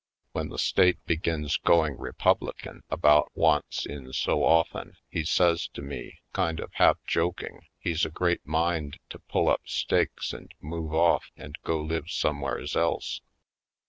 When the state begins going Republican Down Yonder 13 about once in so often, he says to me, kind of half joking, he's a great mind to pull up stakes and move off and go live somewheres else.